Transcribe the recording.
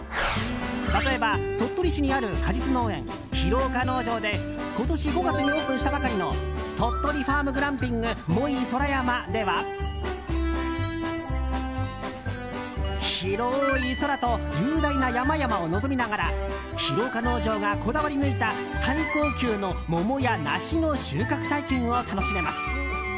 例えば、鳥取市にある果実農園広岡農場で今年５月にオープンしたばかりの鳥取ファームグランピングＭｏｉそらやまでは広い空と雄大な山々を望みながら広岡農場がこだわり抜いた最高級の桃や梨の収穫体験を楽しめます。